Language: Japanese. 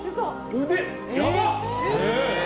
腕、やばっ！